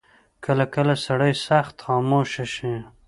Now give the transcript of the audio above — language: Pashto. کله کله سړی سخت خاموشه شي.